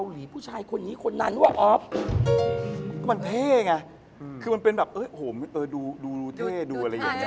ดูสไตล์กันแต่งตัว